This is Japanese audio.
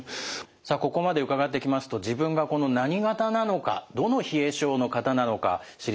さあここまで伺ってきますと自分がこの何型なのかどの冷え症の型なのか知りたくなりますよね。